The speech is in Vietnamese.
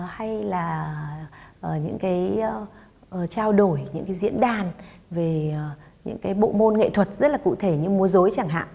hay là những trao đổi những diễn đàn về những bộ môn nghệ thuật rất là cụ thể như múa dối chẳng hạn